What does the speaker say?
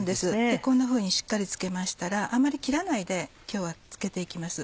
こんなふうにしっかり付けましたらあまり切らないで今日は付けていきます。